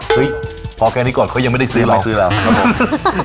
เฮ้ยพอแค่นี้ก่อนเขายังไม่ได้ซื้อเราซื้อแล้วครับผม